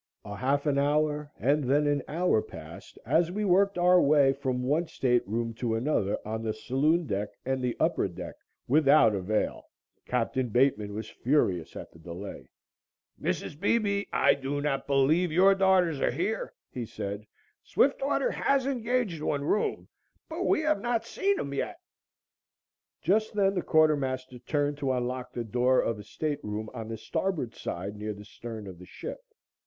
A half an hour and then an hour passed as we worked our way from one stateroom to another on the saloon deck and the upper deck without avail. Capt. Bateman was furious at the delay. "Mrs. Beebe, I do not believe your daughters are here," he said. "Swiftwater has engaged one room, but we have not seen him yet." Just then the quartermaster turned to unlock the door of a stateroom on the starboard side near the stern of the ship.